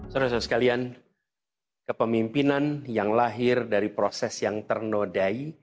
saudara saudara sekalian kepemimpinan yang lahir dari proses yang ternodai